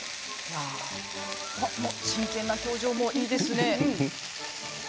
真剣な表情もいいですね。